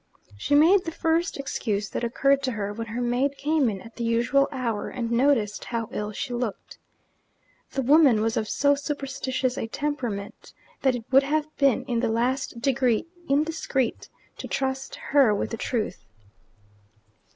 She made the first excuse that occurred to her, when her maid came in at the usual hour, and noticed how ill she looked. The woman was of so superstitious a temperament that it would have been in the last degree indiscreet to trust her with the truth.